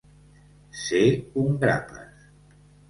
Ser un grapes.